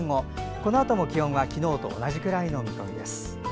このあとも気温は昨日と同じくらいの見込みです。